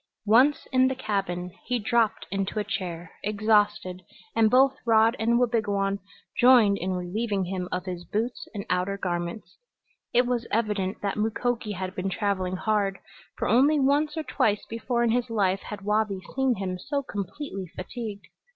Once in the cabin he dropped into a chair, exhausted, and both Rod and Wabigoon joined in relieving him of his boots and outer garments. It was evident that Mukoki had been traveling hard, for only once or twice before in his life had Wabi seen him so completely fatigued.